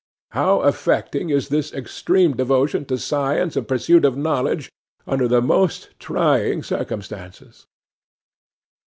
How affecting is this extreme devotion to science and pursuit of knowledge under the most trying circumstances!